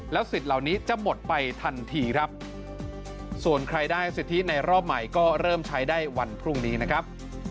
สิทธิ์เหล่านี้จะหมดไปทันทีครับส่วนใครได้สิทธิในรอบใหม่ก็เริ่มใช้ได้วันพรุ่งนี้นะครับ